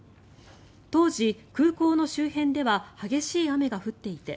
当時、空港の周辺では激しい雨が降っていて